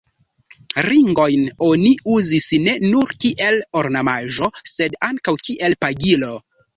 Ringojn oni uzis ne nur kiel ornamaĵo, sed ankaŭ kiel pagilo.